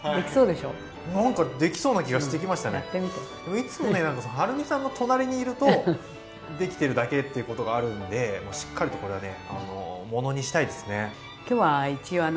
いつもねはるみさんの隣にいるとできてるだけっていうことがあるんでしっかりとこれはねものにしたいですね。